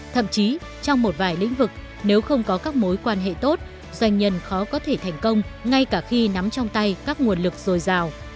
thậm chí trong một vài lĩnh vực nếu không có các mối quan hệ tốt doanh nhân khó có thể thành công ngay cả khi nắm trong tay các nguồn lực dồi dào